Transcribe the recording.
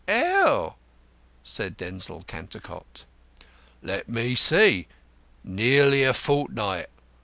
"Oh," said Denzil Cantercot. "Let me see. Nearly a fortnight.